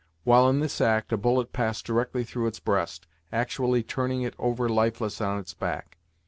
While in this act, a bullet passed directly through its breast, actually turning it over lifeless on its back.